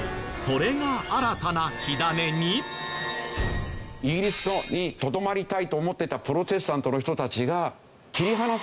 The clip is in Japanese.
それがイギリスにとどまりたいと思ってたプロテスタントの人たちが切り離されちゃった。